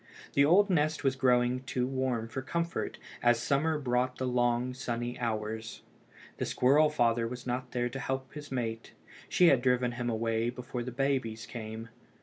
The old nest was growing too warm for comfort, as summer brought the long sunny hours. The squirrel father was not there to help his mate. She had driven him away before the babies came.